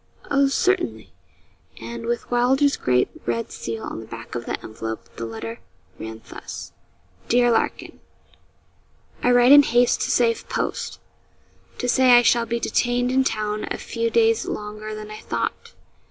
'Oh, certainly.' And, with Wylder's great red seal on the back of the envelope, the letter ran thus: 'DEAR LARKIN, I write in haste to save post, to say I shall be detained in town a few days longer than I thought.